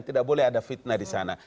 tidak boleh ada fitnah disana